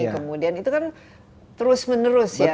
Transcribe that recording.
kemudian itu kan terus menerus ya